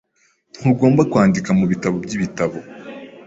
Ntugomba kwandika mubitabo byibitabo .